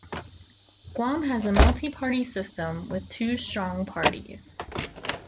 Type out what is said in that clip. Guam has a multi-party system, with two strong parties.